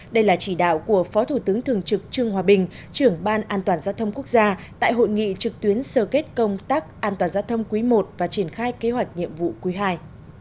đây là chỉ đạo của phó thủ tướng thường trực trương hòa bình trưởng ban an toàn giao thông quốc gia tại hội nghị trực tuyến sơ kết công tác an toàn giao thông quý i và triển khai kế hoạch nhiệm vụ quý ii